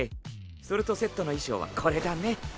それとセットの衣装はこれだね！